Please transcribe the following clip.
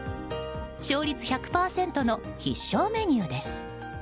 勝率１００％の必勝メニューです。